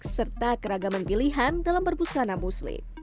serta keragaman pilihan dalam berbusana muslim